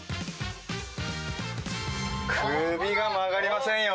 首が曲がりませんよ。